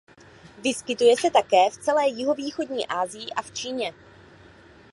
Vyskytuje se také v celé jihovýchodní Asii a v Číně.